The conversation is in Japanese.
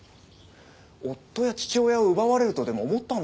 夫や父親を奪われるとでも思ったんでしょうかね？